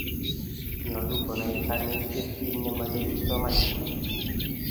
nyoluu kunai konetinte kiit nemeche kipsomanian